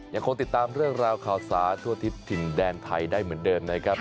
ยังคงติดตามเรื่องราวข่าวสาทั่วทิศถิ่นแดนไทยได้เหมือนเดิมนะครับ